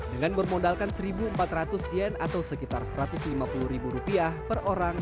dengan bermodalkan satu empat ratus yen atau sekitar satu ratus lima puluh ribu rupiah per orang